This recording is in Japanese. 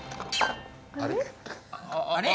あれ？